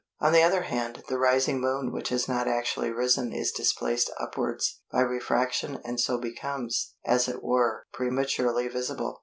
On the other hand, the rising Moon which has not actually risen is displaced upwards by refraction and so becomes, as it were, prematurely visible.